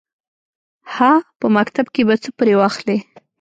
_هه! په مکتب کې به څه پرې واخلې.